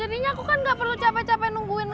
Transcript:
jadinya aku kan engga perlu capek capek nungguin kamu